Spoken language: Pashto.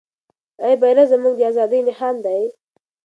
آیا بیرغ زموږ د ازادۍ نښان نه دی؟